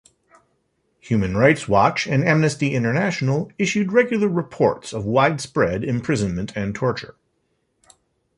Human Rights Watch and Amnesty International issued regular reports of widespread imprisonment and torture.